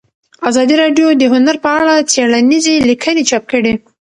ازادي راډیو د هنر په اړه څېړنیزې لیکنې چاپ کړي.